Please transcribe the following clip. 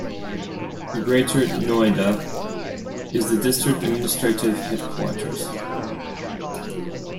Greater Noida is the district administrative headquarters.